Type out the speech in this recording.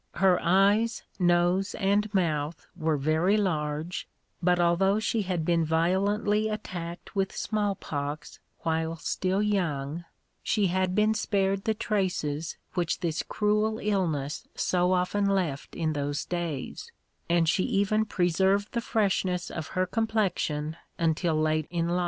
Her eyes, nose, and mouth were very large, but although she had been violently attacked with small pox while still young, she had been spared the traces which this cruel illness so often left in those days, and she even preserved the freshness of her complexion until late in life.